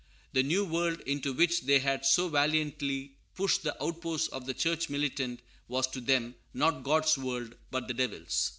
The New World, into which they had so valiantly pushed the outposts of the Church militant, was to them, not God's world, but the Devil's.